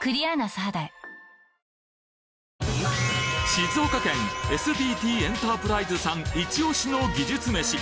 静岡県ＳＤＴエンタープライズさんイチオシの技術めし